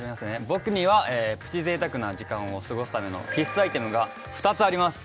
僕にはプチ贅沢な時間を過ごすための必須アイテムが２つあります